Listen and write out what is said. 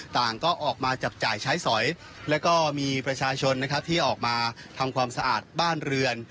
ต่างก็ออกมาจับจ่ายใช้สอยแล้วก็มีประชาชนนะครับที่ออกมาทำความสะอาดบ้านเรือน